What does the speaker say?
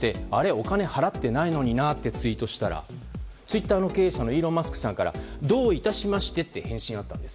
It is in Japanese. お金払っていないのになとツイートしたらツイッターの経営者のイーロン・マスクさんからどういたしましてと返信があったんです。